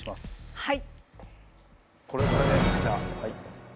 はい。